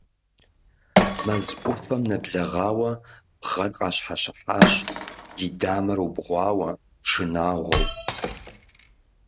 Мэз Ӏуфэм нэблэгъуауэ Бгъэр къащхьэщыхьащ, и дамэр убгъуауэ, шынагъуэу.